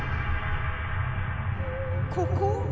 ここ？